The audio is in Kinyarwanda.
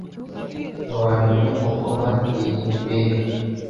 Ntiwamenya uko bateye mbega